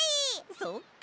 そっか。